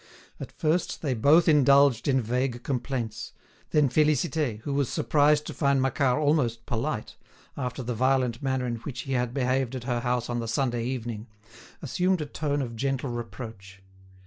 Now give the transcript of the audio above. At first they both indulged in vague complaints, then Félicité, who was surprised to find Macquart almost polite, after the violent manner in which he had behaved at her house on the Sunday evening, assumed a tone of gentle reproach.